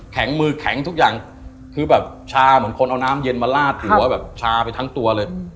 มือแข็งทุกอย่างคือแบบชาเหมือนคนเอาน้ำเย็นมาลาดหัวแบบชาไปทั้งตัวเลย